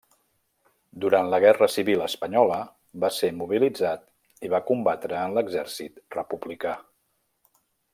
Durant la guerra civil espanyola va ser mobilitzat i va combatre en l'exèrcit republicà.